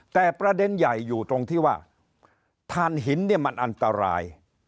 แต่ประเด็นใหญ่อยู่ตรงที่ว่าทานหินเนี่ยมันอันตราย